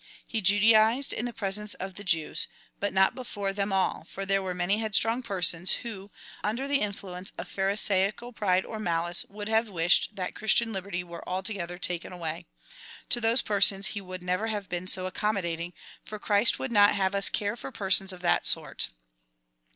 He judaized in the presence of the Jews, but not before VOL. I. u 306 COMMENTARY ON THE CHAP. IX. 22. them all, for there were many headstrong persons, who, under the influence of Pharisaical pride or malice, would have wished that Christian liberty were altogether taken away. To those persons he would never have been so accommodat ing, for Christ would not have us care for persons of that sort.